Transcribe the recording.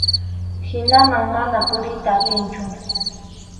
Hinaman mana puriyta atinchu.